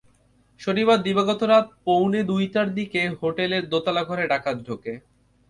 শনিবার দিবাগত রাত পৌনে দুইটার দিকে হোটেলের দোতলার ঘরে ডাকাত ঢোকে।